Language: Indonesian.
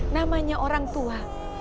namanya orang tua